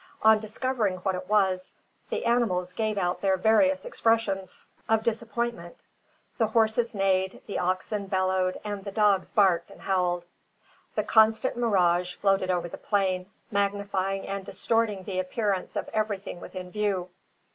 On discovering what it was, the animals gave out their various expressions of disappointment. The horses neighed, the oxen bellowed, and the dogs barked and howled. A constant mirage floated over the plain, magnifying and distorting the appearance of everything within view.